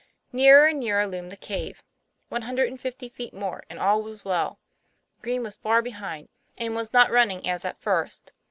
Nearer and nearer loomed the cave; one hundred and fifty feet more, and all was well. Green was far behind, and was not running as at first.